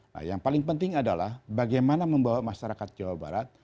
nah yang paling penting adalah bagaimana membawa masyarakat jawa barat